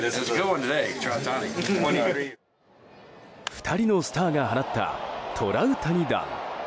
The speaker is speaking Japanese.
２人のスターが放ったトラウタニ弾。